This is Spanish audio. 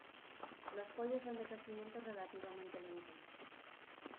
Los pollos son de crecimiento relativamente lento.